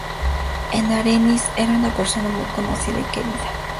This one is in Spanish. En Arenys era una persona muy conocida y querida.